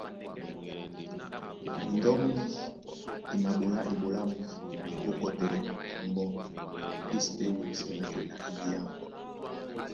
Ndɔ́mbí í maɓolá eɓoló ábū ó kɔtɛlɛ ɓɔmbɔ́, ésiɓɛ́ wûmsɛ nátɛna ebyámu.